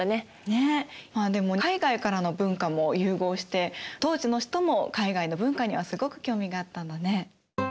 ねえまあでも海外からの文化も融合して当時の人も海外の文化にはすごく興味があったんだね。